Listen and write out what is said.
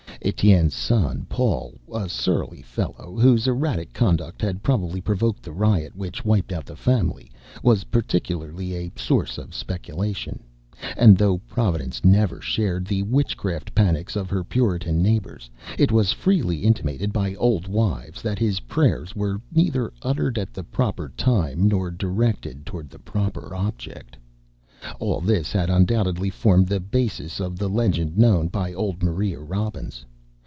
Etienne's son Paul, a surly fellow whose erratic conduct had probably provoked the riot which wiped out the family, was particularly a source of speculation; and though Providence never shared the witchcraft panics of her Puritan neighbors, it was freely intimated by old wives that his prayers were neither uttered at the proper time nor directed toward the proper object. All this had undoubtedly formed the basis of the legend known by old Maria Robbins.